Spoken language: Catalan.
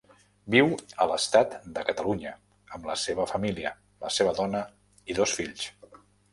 Viu a l'estat de Catalunya, amb la seva família, la seva dona i dos fills.